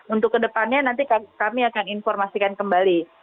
untuk kedepannya nanti kami akan informasikan kembali